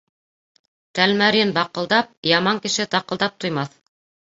Тәлмәрйен баҡылдап, яман кеше таҡылдап туймаҫ.